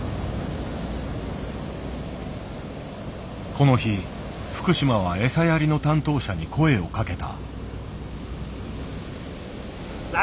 この日福島は餌やりの担当者に声をかけた。